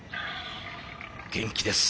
元気です。